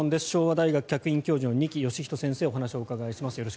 昭和大学客員教授の二木芳人先生、お話を伺います。